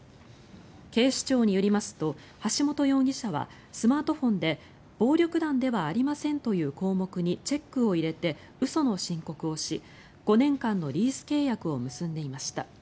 警視庁によりますと橋本容疑者はスマートフォンで暴力団ではありませんという項目にチェックを入れて嘘の申告をし５年間のリース契約を結んでいました。